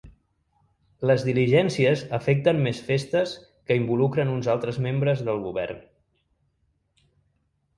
Les diligències afecten més festes que involucren uns altres membres del govern.